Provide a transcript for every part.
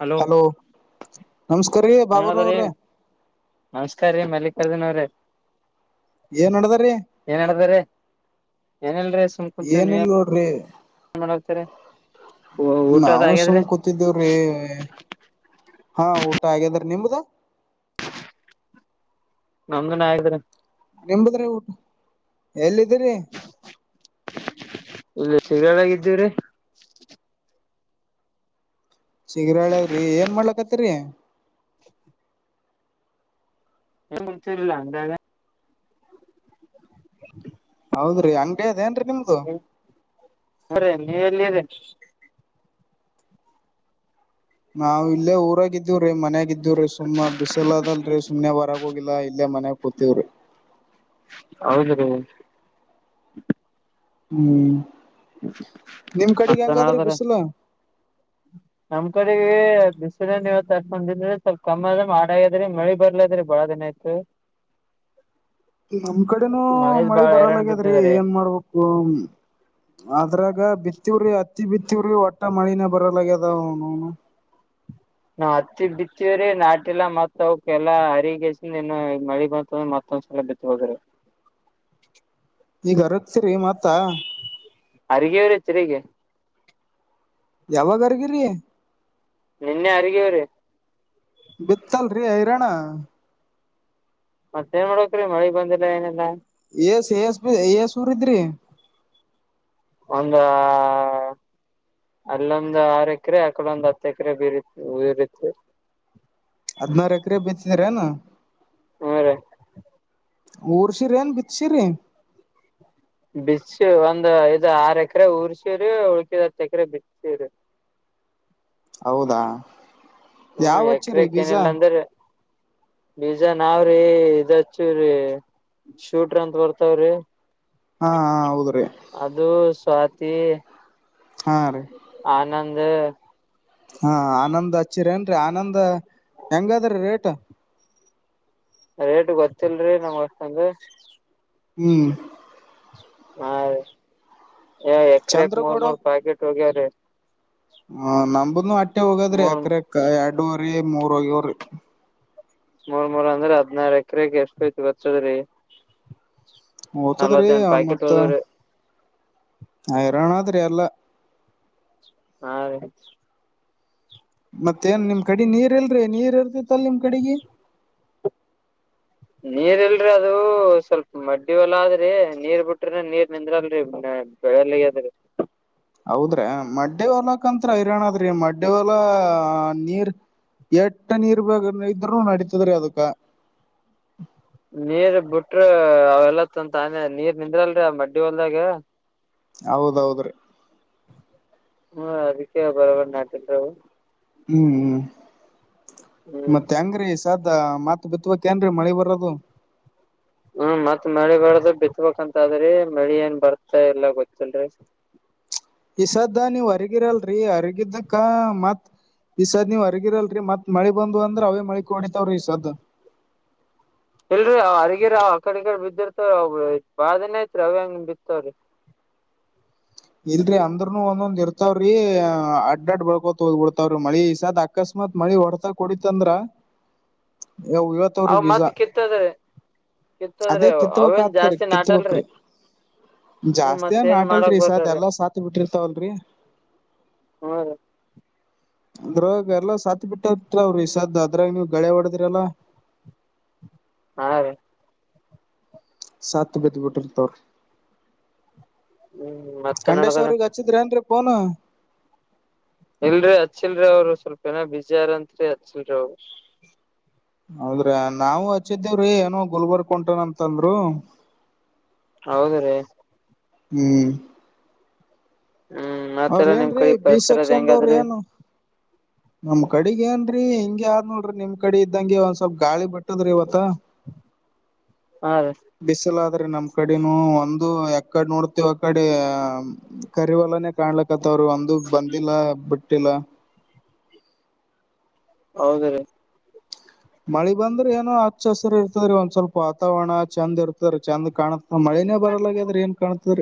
hello ನಮಸ್ಕಾರ ರೀ ಬಾಬುರ ಅವ್ರಿ ನಮಸ್ಕಾರ ಮಲ್ಲಿ ಅರದಿನ್ರ ಏನ್ ನಡದ್ರೀ ಏನ ಇಲ್ ನೋಡ್ರಿ ಏ ಮಾಡೋಗತಾರೆ ನಾವು ಸುಮ್ ಕೂತಿದ್ದೇವ್ರೀ ಹಾ ಊಟ ಆಗಾದ್ರ ನಿಮದ ನಮನ ಆ್ರ ನಿಂಬುದ್ರೆ ಊಟ ಎಲ್ಲಿದ್ದೀರಿ ಇಲ್ಲ ಶಗಾಗಿದ್ದೀವ್ರೀ ಶಗ್ರಾಳ್ರಿ ಏನ್ ಮಾಡ್ಲಕ್ಕತ್ತರಿ ಏನ್ ವಿಚರಲ್ಲ ಎಂದೆ ಹೌದ್ರಿ ಅಂಗಗೆ ಅದೇನ್ರಿ ನಿಮ್ದು ಅರೆೇ ನೀವೆ ಎಲ್ಲಿದೆ ನಾವವು ಇಲ್ಲೇ ಊರಾಗಿದ್ದೀವ ಮನ್ಯಾಗ ಇದ್ದಿವವ್ರೀ ಸುಮ್ಮ್ ಬಿಸಲ ಅದಲ್ರರಿ ಸುಮ್ನೆ ಹೊರಗ ಹೋಗಿಲ್ಲಾ ಇಲ್ಲೇ ಮನ್ಯಾಗ ಕೂತಿವ್ರಿ [inaudible] ಹ್ಮ ಹ್ಮ್ ನಿಮ್ ಕಡೆಗೆ ಮತ್ತೇನ್ ಹೆಂಗಾದ್ರೆ ಹೇಳದ್ರಿ ಬಿಸಿಲು ನಮ್ ಕಡೆಗೆ ಬಿಸಿಲನ್ ಇವತ್ತು ತಟ್ಕಂದಿದ್ರೆ ಸ್ವಲ್ಪ ಕಮ್ಮ ಆದ ಮಾಡ ಆಾದ್ರೆ ಮಳಿ ಬರ್ಲಾದ್ರಿ ಬಾಳ ದಿನೈತ್ ನಮ್ ಕಡೆನೂ ಮಳಿ ಹೈರಾಣ ಬರಲಗ್ಯದ್ರಿ ಬಿದ್ದದ್ರಿ ಏನ್ ಮಾಡ್ಬೇಕು ಅದ್ರಾಗ ಬಿತ್ತವ್ರಿ ಅತ್ತಿ ಬಿತ್ತವ್ರಿ ಒಟ್ಟ ಮಳಿನ ಬರಲಾಗ್ಯದನು [inaudible] ನಾವ್ ಹತ್ತಿ ಬಿತ್ತವ್ರೀ ನಾಟೆಲ್ಲಾ ಮತ್ ಅವ ಕೆಲ್ಲಾ ಹರಗಸನು ಮಳಿ ಬಂತ್ರ ಮತ್ ಸಲಭ್ಯತೆ ಹೋಗರೆ ಈಗ ಅರಕ್ಸರಿ ಮತ್ತ ಅರಿಗೆವರ ಹೆಚ್ಚರಿರಿಗೆ ಯಾವಾಗಾಗರ್ಗಿರಿ ನಿನ್ನೆ ಅಗವ್ರೀ ಬಿತ್ತಲ್ರಿ ಹೈರಾಣ ಮತ್ತ ಏನ್ ಮಾಡ್ತ್ರಿ ಮಳಿಗ್ ಬಂದಿಲ್ಲ ಏನೆಲ್ಲಾ ಎಸ್ ಎಸ್ ಬಿ ಎಸ್ ಊರ ಇದ್ರಿ ಒ ಅಲ್ಲೊಂದ್ ಆರ್ ಎಕರೆ ಅಕಲ ಒಂದ್ ಹತ್ತು ಎಕರೆ ಬೀರಿ ಉರಿತ್ತು ಹದ್ಿನಾರ ಎಕರೆ ಬತಿದ್ರನಾ ಹ್ಮ ರೀ ಊರ್ಸಿರಿ ಏನ್ ಬಿತ್ಸಿರಿ ಬಿಸ ಒಂದ ಇದ್ ಆರ್ ಎಕರೆ ಊರ್ ಸೀರ ಉಳ್ಕಿದ್ ಹತ್ತು ಎಕರೆ ಬಿಸ ಸೀರಿ ಹೌದಾ ಹ್ಮ್ ಯಾವ ಹಚ್ಚಿರಿ ಎಕ್ರಕ ಬೀಜ ಏನಿಲ್ಲ ಅಂದ್ರೆ ಬೀಜಾ ನಾವ ರೀ ಇದಚು ರ ಶೂಟ್ರ ಅಂತ ಬರ್ತಾವ್ರಿ ಹಾ ಹಾ ಹೌದ್ರಿ ಅದು ಸ್ವಾತಿ ಹಾ ರೀ ಇನ್ನಂದು ಹಾ ಆನಂದ್ ಹಚ್ಚಿರ ಏನ್ೀ ಆನಂದ ಹೆಂಗದ್ರೀ ರೇಟ್ ರೇಟ್ ಗೊತ್ತಲ್ರಿ ನಮ್ ಅಷ್ಟಂದು ಹ್ಮ್ ಹಾ ರೀ ಏ ಎಕ್ರಕ್ ಮೂರ್ ಚಂದ್ರಗೌಡ ಮೂರ್ ಪಾಕೆಟ್ ಹೋಗ್ಯವ್ರೀ ಹ ನಮಂಬಂದು ಅಟ್ಟೆ ಹೋಗದ್ರಿ ಮೂರ್ ಅಕ್ರ ಎರಡುವರಿ ಮೂರಗವರಿ ಮೂರ್ ಮೂರ್ ಅಂದ್ರೆ ಹದ್ನಾರ ಎಕರೆಗೆ ಎಷ್ಟ ಐತಿ ಗೊತ್ತದ್ರಿ ಹಓ್ತದ್ರೀ ನಲ್ವತ್ತೆಂಟ್ ಪ್ಯಾಕೆಟ್ ಮತ್ತ ಹೋದ್ರಿ ಆಯರಣ ತಿರಲ್ಲ ಹಾ ರ ಮತ್ತ ಏನ್ ನಿಮ್ ಕಡೆ ನೀರ್ ಇಲ್ರಿ ನೀರ್ ಇರ್ತಿತ್ತಲ್ ನಿಮ್ ಕಡೆಗ ನೀರ್ ಇಲ್ರಿ ಅದು ಸ್ವಲ್ಪ ಮಡ್ಡಿ ಹೊಲ್ಲ ಆದ್ರಿ ನೀರ್ ಬಿಟ್ರ ನೀರ್ ನಿಂದ್ರಲ್ರಿ ಬೆಳಲ್ಲಿಗೆದ ಹೌದ್ರಿ ಮಡ್ಡ್ಯ ಹೊಲಕಂತ್ರ ಹಿರಾಣದ್ರಿ ಮಡ್ಡ್ಯವಲಾ ನೀರ್ ಎಟ್ಟ ನೀರ್ ಬೇ ಇದ್ ನಡತದ್ರೀ ಅದಕ್ಕ ನೀರ್ ಬಿಟ್ರ ಅವೆಲ್ಲ ತ ತಾನೆ ನೀರ್ ನಿಂದ್ರಲ್ರಿ ಮಡ್ಡಿ ಹೊಲ್ದಾಗ ಹೌದೌದ್ರೀ ಹ್ಮ ಅದಕ್ಕೆ ಬರಬ ನಾಟಿದರು ಹ್ಮ್ ಹ್ಮ್ ಹ್ಮ್ ಮತ್ತೆ ಅಂಗ್ರ ದ ಮತ್ ಬಿತ್ಬೇಕಕ್ಏನ್ರೀ ಮಳೆ ಬರದು ಹ್ಮ ಮತ್ ಮಳೆ ಬ್ದ ಬಿತ್ಬೇಕಕ್ಂತ ಅದ್ರಿ ಮಳಿ ಏನ್ ಬರ್ತಾ ಎಲ್ಲ ಗೊತ್ತಲ್ರರಿ ಈಸ್ದ ನೀವ್ ಹರಗಿರಲ್ರರಿ ಅರಗಿದಕ್ಕ ಮತ್ ಈಸಾದ್ ನೀವ್ ಹರಗಿರಲ್ರರಿ ಮತ್ ಮಳಿ ಬಂದ್ ಅಂದ್ರ ಅವೇ ಮಳಿ ಹೊಡಿತಾವ್ರೀ ಈಸಾದ್ ಇಲ್ರರಿ ಅವ್ ಅರಗಿರ ಅವ ಆ ಕಡೆ ಕಡೆ ಬಿದ್ದಿರ್ತವ ಅವ ಬಾದನ ಐತ್ರಿ ಅವ ಹಂಗ ಬಿತ್ವ್ರಿ ಹ ಇಲ್ರಿ ಅಂದ್ರನು ಒಂದೊಂದ ಇರ್ತಾವ್ರಿ ಅಡ್ ಅಡ್ ಬಳ್ಕೋತ್ ಹೋಗದ್ ಬಿಡ್ತಾವ್ರಿ ಮಳಿ ಅಕಸ್ಮತ್ ಮತ್ ಮಳಿ ಹೊಡ್ತಾ ಕುಡಿತ ಅಂದ್ರ ಅವ ಮತ್ತೆ ಕೆತ್ತದ ಅದೇ ಕಿತ್ತದ್ರಿ ಕಿತ್ಬಕ್ ಅವೇನ್ ಆತರಿ ಜಾಸ್ತಿ ಕಿತ್ಬಕ್ರಿ ನಾಟಲ್ರರಿ ಹ್ಮ ಮತ್ತ ಏನ್ ಮಾಡಕ್ ಬದ್ರೀ ಸಾತಿ ಬಿಟ್ಟಿರ್ತಾವಲ್ರರಿ ಹ್ಮ್ ರೀ ಅದ್ರಾಗ ಎಲ್ಲ ಸಾತ್ ಬಿಟ್ಟರ್ತ ಅವರು ಈ ಸಾದ ಅದ್ರಾಗ ನೀವ್ ಗಳೆ ಹೊಡದ್ರಲ್ಲ ಹಾ ರೀ ಸತ ಕಲಮೀಟ ತರೀ ಹ್ಮ್ ಮತ್ತೆ ಖಂಡೇಶ್ ನಡದಾರ ಅವ್ರಗ್ ಹಚ್ಚಿದ್ರೆ ಅನ್ ಪೋನು ಇಲ್ರರಿ ಹಚ್ಚಿಲ್ರಿಅವ್ರಸ್ವಲ್ಪ ಏನ ಬುಜಿ ಯಾರತ್ರಿ ಹಚ್ಚಿಲ್ರಿ ಅವ್ರ ಹೌದ್ರ ನಾವು ಹಚ್ಚಿದ್ದೇವ್ರಿ ಏನೋ ಗುಲ್ಬರ್ಗ್ ಕುಂಟನಂತಂದರು ಹೌದ ರೀ ಹ್ಮ್ ಹ್ಮ್ ಅವ್ರ ಮತ್ತೆಲ್ಲ ನಿಮ್ ಏನ್ರೀ ಕಡೆ ಬಿ ಪರಿಸರದ ಸೆಕ್ಷನ್ದವ್ರ ಹೆಂಗಾದ್ರಿ ಏನು ನಮ್ ಕಡೆಗ ಏನ್ರರಿ ಹಿಂಗಗೆ ಆದ್ನಲ್ರಿ ನಿಮ್ ಕಡೆ ಇದ್ದಂಗೆ ಒಂದ್ ಸ್ವಲ್ಪ್ ಗಾಳಿ ಬಟ್ಟದ್ರಿ ಇವತ್ತ [inaudible] ಹಾ ರೀ ಬಿಸಲಾದ್ರೆ ನಮ್ ಕಡೆನೂ ಒಂದ ದು ಯ ಕಡೆ ನೋಡ್ತವ ಆ ಕಡೆ ಕರಿವಾಲಾನೇ ಕಾಣ್ಲ ಮತ್ತವ್ರು ಒಂದು ಬಂದಿಲ್ಲ ಬಿಟ್ಟಿಲ್ಲ ಹೌದ ರೀ ಮಳಿ ಬಂದ್ರೆ ಏನೋ ಹಚ್ಚ ಹಸರಿ ಇರ್ತದೆಒಂದ್ ಸ್ವಲ್ಪ ವಾತಾವರಣ ಚಂದ ಇರ್ತ ಚೆಂದ್ ಕಾಣತ್ ಮಳಿ ನ ಬರಲ್ಲಾಗ ಅದ್ರೆ ಏನ್ ಕಾಣ್ತ್ರ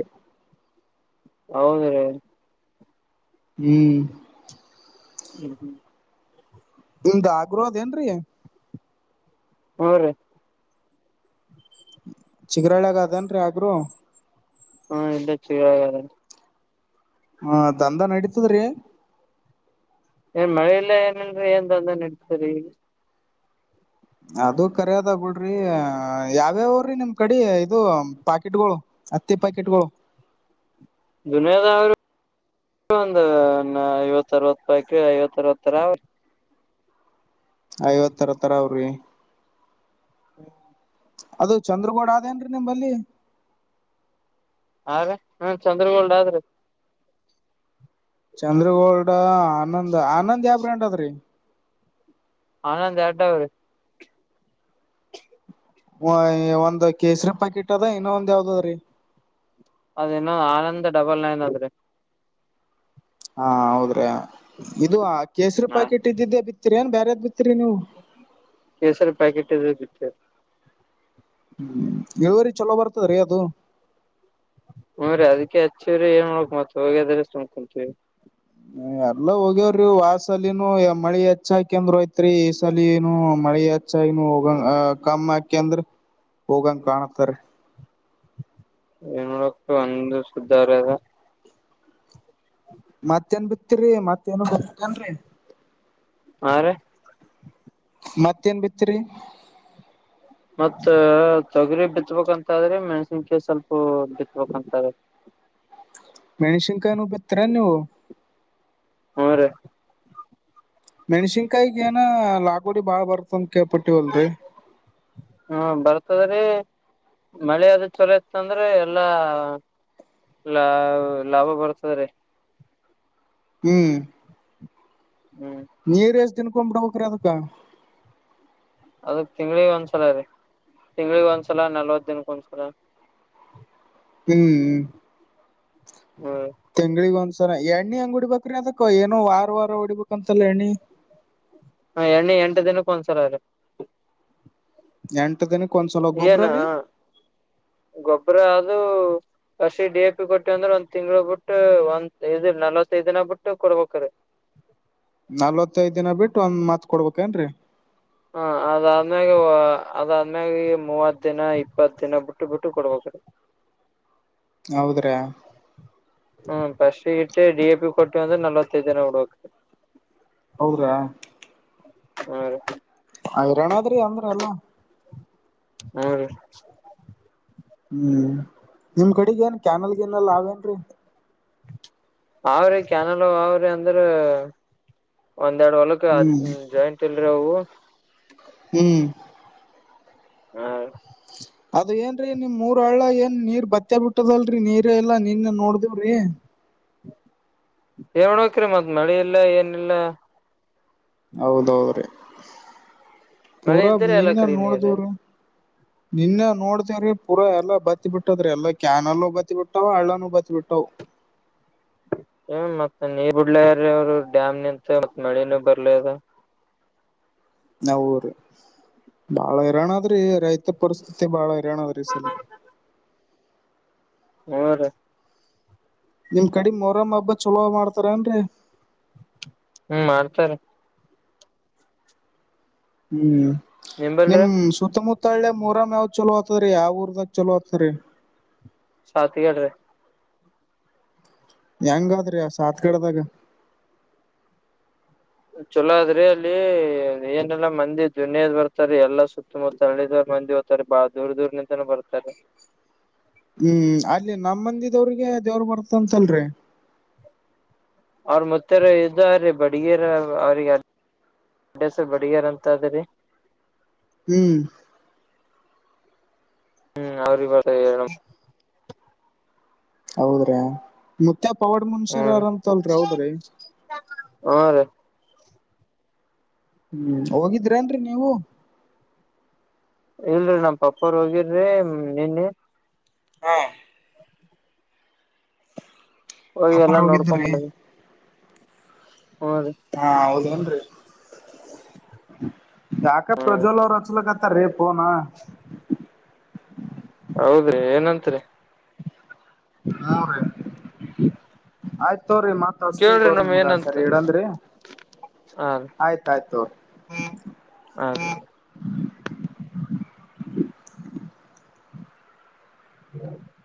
ಹೌದ ರೀ ಹ್ಮ್ ಹ್ಮ್ ಹ್ಮ್ ನಿಮ್ದ್ ಆಗ್ರದೇಏನರೀ ಹು ರೀ ಚಿಗರಳಾಗ ಅದೇನ್ರೀ ಯಾಕ್ರೋ ಹ್ಮ ಎಲ್ಲ ಚರ ಹ್ಮ ದಂದ ನಡೀತದ್ರೀ ಏ ಮಳೆಯಲ್ಲ ಏನಲ್ರರಿ ಏನ್ ಅದನ್ ಇಡ್ತರಿ ಅದು ಕರ್ಯದ ಆಗ್ಬಿಡ್ರಿ ಯಾವ್ಯಾವ್ರಿ ನಿಮ್ ಕಡೆ ಇದು ಪಾಕೆಟ್ಗಳು ಹತ್ತೆ ಪ್ಯಾಕೆಟ್ಗಳು ದುನಿಯದ ಅವರು ಒಂದು ಐವತ್ತ ಅರವತ್ತು ರೂಪಾಯಕ ಐವತ್ತ ಅರವತ್ತರ ಅವೀ ಐವತ್ತರ ತರ ಅವ್ರಿ ಹ್ಮ ಅದು ಚಂದ್ರಗೋಡ ಆದೇನ್ರಿ ನಿಂಬಲ್ಲಿ ಹಾಗ ಹ ಚಂದ್ರಗೌಳ್ಡ್ ಆದ್ರೀ ಚಂದ್ರಗೋಲ್ಡ ಆನಂದ್ ಆನಂದ್ ಯಾವ ಬ್ರಂಟತ್ ರೀ ಆನಂದ್ ಎರಡವ್ರೀ ಹ ಒಂದು ಕೇಸರಿ ಪ್ಯಾಕೆಟ್ ಅದ ಇನ್ನೊ ಒಂದ್ ಯಾವ್ದದ್ರೀ ಅದೇನೋ ಆನಂದ ಡಬಲ್ ನೈನ್ ಆದದ್ರೆ ಹಾ ಹೌದ್ರೆ ಇದು ಕೇಸರಿ ಹಾ ಪಾಕೆಟ್ ಇದ್ದಿದ್ದೆ ಬಿತ್ತರಿ ಏನ್ ಬೇರೆದ್ ಬಿತ್ತ ಕೇಸರಿ ಪ್ಯಾಕೆಟ್ ಇರದ ಬಿತ್ತು ಹ್ಮ್ ಇಳುವರಿ ಚಲೋ ಬರ್ತದ್ರೀ ಅದು ಹೂ್ರೀ ಅದಕ್ಕೆ ಹಚ್ಚಿವ್ರರಿ ಏನ್ ಮಾಡ್ಬೇಕು ಮತ್ ಹೋಗ್ಯದ್ರ ಸುಮ್ ಕುಂತೇವಿ ಎಲ್ಲ ಹೋಗ್ಯವ್ರಿ ವಾಸಲಿನನು ಮಳಿ ಹೆಚ್ಚಾಕಂದ್ ಯತ್ರಿ ಈ ಸಲನು ಮಳಿ ಚ್ಚಾಯನು ಹೋಗಂಗ ಅ ಕಮ್ಮಾಕಿ ಅಂದ್ರ ಹೋಗಂಗ ಕಾಣತಾರ ಏನ್ ನೋಡಕ್ತ ಒಂದು ಸುದ್ದರದ ಮತ್ತೇಏನ್ ಬಿತ್ತರಿ ಮತ್ತ ಏನ್ ಬಿನ್ರಿ ಹಾ ರ ಮತ್ತೇನ್ ಬಿತ್ತರಿ ಮತ್ತ ತೊಗರಿ ಬಿತ್ಬೇಕಂತ ಆದ್ರೆ ಮೆಣ್ಸಿನ್ಕ ಸ್ವಲ್ಪ ಬಿತ್ಬೇಕಂತಾದ್ರ ಮೆಣಶಂಕನು ಬೆತ್ರರನ್ನುವು ಹ್ಮ ರೀ ಮೆಣ್ಸಿನ್ಕಾಯಿಗ ಏನ ಲಾಾಗೋಡಿ ಬಾಳ ಬರ್ತಂತ ಕಪಟ್ಟಿ ಒಲ್ರಿ ಹ್ಮ ಮಳೆ ಅದು ಚಲೋ ಇತ್ತ ಅಂದ್ರೆ ಎಲ್ಲಾ ಲಾ ಲಾಭ ಬರ್ತದ ರ ಹ್ಮ್ ಹ್ಮ್ ನೀರು ಎಷ್ಟು ತಿನ್ಕೊಂಡ ಬಿಿಡ ಹಕ್ರ ಅದಕ್ಕ ಅದಕ್ ತಿಂಗಗಳಿ ಒಂದ್ಸಲೀ ತಿಂಗಳಗ್ ಒಂದ್ಸಲ ನಲ್ವತ್ ದಿನಕ್ ಒಂದ್ಸಲ ಹ್ಮ್ ಹ್ಮ್ ತೆಂಗಳಗ ಒಂದ್ಸಲ ಸರ ಎಣ್ಣೆ ಹೆಂಗ್ ಉಡ್ಬೇಕ್ರಿ ಅದಕ್ಕ ಏೋ ವಾರ ವಾರ ಉಡಿಬೇಕಂತಲ್ಲ ಎಣ್ಣಿ ಹ ಎಣ್ಣೆ ಎಂಟು ದಿನಕ್ಕ ಒಂದ್ಸಲ ಅ್ರ ಎಂಟು ದಿನಕ್ಕೆ ಏನ ಗೊಬ್ಬರ ಅದುೂ ಹಸಿ ಡಿ ಎ ಪಿ ಕೊಟ್ಟಿವ ಅಂದ್ರೆ ಒಂದ ತಿಂಗಳ ಬಿಟ್ಟು ಒಂದ್ ಇದಲ್ ನಲ್ವತ್ತೈದು ದಿನ ಬಿಟ್ಟು ಕೊಡ್ಬೇಕ್ರೀ [inaudible] ನಲ್ವತ್ತೈದ ದಿನ ಬಿಟ್ಟು ಒಂದ್ ಮಾತ್ ಕೊಡ್ಬೇಕೇನ್ರರಿ ಹ ಅದಾದ್ಮ್ಯಾಗ ಅದಾದ್ಮ್ಯಾಗ ಮೂವತ್ ದಿನ ಇಪ್ಪತ್ ದಿನ ಬಿಟ್ಟು ಬಿಟ್ಟು ಕೊಡ್ಬೇಕು [inaudible] ಹೌದ್ರಾ ಹ್ಮ್ ಪಸ್ ಡಿ ಎಪಿ ಕೊಟ್ಟಿಂದು ನಲ್ವತ್ತೈಐದು ದಿನ ಉಡಕ್ ಹೌದ್ರಾ ಹ್ಮ ರೀ [inaudible] ಹೈರಾಣದ್ರಿ ಅಂದ್ರ ಎಲ್ಲಾ ಹ್ಮೀ ಹ್ಮ್ ನಿಮ್ ಕಡೆಗ ಏನ್ ಕ್ಯಾನಲ್ಗನಲ್ಲ ಅನ್ರಿ ಅವ್ರಿ ಕಾನಡ ಅವ್ರಿ ಅಂದ್ರ ಒಂದ್ರಡು ವಳಕ್ ಹ್ಮ್ ಜಾಾಯಿಂಟ್ಲ್ರವು ಹ್ಮ್ ಹ್ಮ ಅದ ಏನ್ರರಿ ನಿಮ್ ಮೂರ ಹಳ್ಳ ಏನ್ ನೀರ್ ಬತ್ತ ಬಿಟ್ಟದಲ್ರಿ ನೀರ್ ಎಲ್ಲಾ ನೀರ್ನ ನೋಡ್ದೇವ್ರಿ ನೋಡ್ಬೇಕ್ರಿ ಮತ್ ಮಳೆ ಇಲ್ಲ ಏನ ಇಲ್ಲ ಹೌದೌದ್ರಿ ಮಳೆ ಪೂರಾ ಇದ್ದ್ರ ಎಲ್ಲ ನಿನ್ನ ಕಡೆ ನೀರ್ ನೋಡ್ದವ್ರಿ ನಿನ್ನ ನೋಡ್ತೇವ್ರೀ ಪೂರ ಎಲ್ಲಾ ಬತ್ತ ಬಿಟ್ಟದ್ರಿ ಎಲ್ಲಾ ಕ್ಯಾನಲ್ಲು ಬತ್ತ ಬಿಟ್ಟಾವ ಹಳ್ಳನು ಬತ್ತ ಬಿಟ್ಟಾವ [inaudible] ಮತ್ತ ನೀ ಬಡ್ಲ್ರ ಅವರು ಡ್ಯಾಮ್ ನಿಂತ ಮತ್ ಮಳೆನೂ ಬರ್ಲ ಅದ ನಾವ್ರ ಬಾಳ ಇರೋಣದ್ರಿ ರೈತ ಪರಿಸ್ಥಿತಿ ಬಾಳ ಅರ ಸ್ಲ ಅವರ ನಿಮ್ ಕಡಿ ಮೊರಮ್ಮ ಹಬ್ಬ ಚಲೋ ಮಾಡ್ತಾರನ್ರರಿ ಹ್ಮ್ ಮಾಡ್ತಾರೆ ಹ್ಮ್ ನಿಮ್ ನಿಂಬಲ್ರಿ ಸುತ್ತಮುತ್ತ ಹತ್ತಳ್ಳೆ ಮೂರಮ ಯಾವ್ ಚಲೋ ಆತರಿ ಯಾವ್ ಊರ್ದಾಗ ಚಲೋ ಆಗ್ತರಿ ಸಾತಿಗಡ್ರಿ ಹೆಂಗದ್ರಿ ಸಾತ್ಗಡದಾಗ ಚೊಲೋ ಅ ಆದ್ರಿ ಅಲ್ಲಿ ಏನಲ್ಲಾ ಮಂದಿ ದುನಿಯದ್ ಬರ್ತಾರ ಎಲ್ಲಾ ಸುತ್ತಮುತ್ತಳ್ಳಿದ ಮಂದಿ ಓ್ತರೆ ಬಾಳ ದೂರ ದೂರ ನಿಂತನ ಬರ್ತಾರೆ ಹ್ಮ್ ಅಲ್ಲಿ ನಮ್ಮ ಮಂದಿದವ್ರಿಗೆ ಅದೇವ್ರ ಬರ್ತಂತಲ್ರಿ ಅವ್ರ ಮತ್ತಾರ ಇದ್ರೀ ಬಡಗರ ಅವ್ರಿಗೆ ಬಡೆ ಸ ಬಡಿಯ ರಂತಾದರಿ ಹ್ಮ್ ಹ್ಮ್ ಅವ್ರಿಗೆ ಬತ್ತ ಹೇಳ [inaudible] ಹೌದ್ರಾ ಪವಾಡ್ ಮನುಷ್ಯಾರ ಹ್ಮ್ ಆರಾಮ ಚಲ್ರ ಹೋದು ರೀ ಹ್ಮ್ ರೀ ಹ್ಮ್ ಹೋಗಿದ್ರಿ ಅನ್ರಿ ನೀವು ಇಲ್ರರಿ ನಮ್ಮ ಪಾಪ್ಪ ಅವ್ರ ಹೋಗಿರ್ರಿ ನಿನ್ನ ಹಾ ಹೋಗಿ ಎಲ್ಲಾ ಅಪ್ಪಾರ್ ಹೋಗಿದ್ರಿ ನೋಡ್ಕೊಂಬಿ ಹಾ ಹೌದನ್ರಿ ಯಾಕ ಪ್ರಜ್ವಲ್ ಅವ್ರು ಹಚ್ಲಕ ಹಾರೇ ಪಣ ಹೌದ್ರಿ ಏನತ್ರಿ ಮೂರು ಆಯ್ತ್ ತೋರಿ ಮತ್ ಅಷ್ಟತಿನ್ ಕೇಳ್ರಿ ತವ್ರರಿ ನಮ್ ನಿಮ್ಗ ಏನಂತ ಸರಿ ಇಡಂದ್ರರಿ ಹ ಆಯ್ತಾಯ್ತು ಹ ಹ [inaudible]